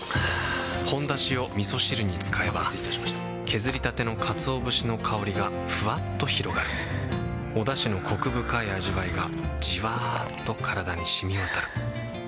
ほんだしをみそ汁に使えば削りたてのカツオ節の香りがふわっと広がりおだしのコク深い味わいがじわっと体に染みわたる。